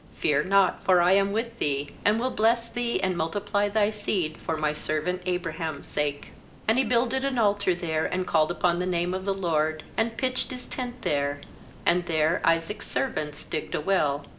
Fear not, for I am with thee, and will bless thee, and multiply thy seed for. My servant Abraham's sake.' ^And he builded an altar there, and called upon the name of the LORD, and pitched his tent there; and there Isaac's servants digged a well.